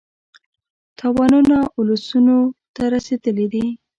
تاوانونه اولسونو ته رسېدلي دي.